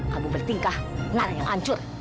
kamu bertingkah mana yang hancur